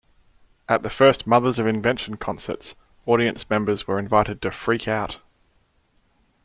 At the first Mothers of Invention concerts, audience members were invited to "freak out!